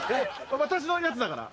私のやつだから。